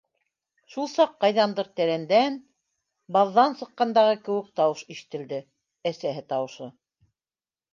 Шул саҡ ҡайҙандыр тәрәндән, баҙҙан сыҡҡандағы кеүек тауыш ишетелде, әсәһе тауышы: